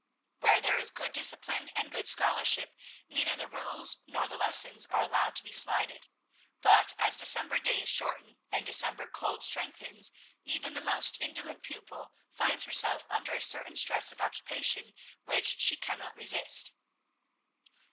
Where there is good discipline and good scholarship, neither the rules nor the lessons are allowed to be slighted; but as December days shorten, and December cold strengthens, even the most indolent pupil finds herself under a certain stress of occupation which she cannot resist.